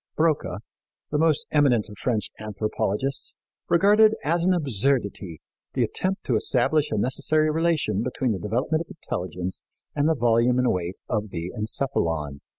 Broca, the most eminent of French anthropologists, regarded as an absurdity the attempt to establish a necessary relation between the development of intelligence and the volume and weight of the encephalon.